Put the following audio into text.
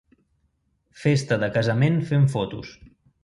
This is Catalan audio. Festa de casament fent fotos.